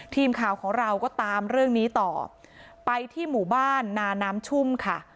ทีมข่าวของเราก็ตามเรื่องนี้ต่อไปที่หมู่บ้านนาน้ำชุ่มค่ะ